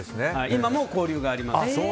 今も交流があります。